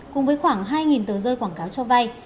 cùng với khoảng hai tờ rơi quảng cáo cho vay